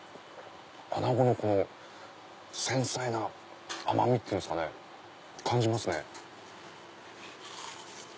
アナゴの繊細な甘みっていうんですかね感じますね。